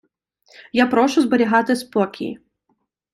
Я прошу зберігати спокій!